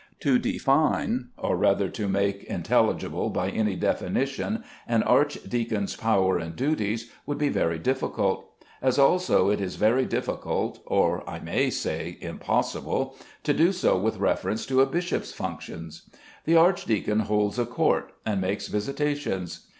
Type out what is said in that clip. To define, or rather to make intelligible by any definition, an archdeacon's power and duties, would be very difficult; as also it is very difficult, or I may say impossible, to do so with reference to a bishop's functions. The archdeacon holds a court, and makes visitations.